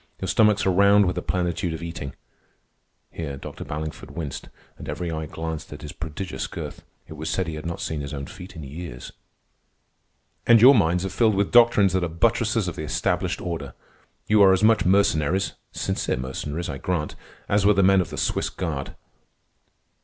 Your stomachs are round with the plenitude of eating." (Here Dr. Ballingford winced, and every eye glanced at his prodigious girth. It was said he had not seen his own feet in years.) "And your minds are filled with doctrines that are buttresses of the established order. You are as much mercenaries (sincere mercenaries, I grant) as were the men of the Swiss Guard.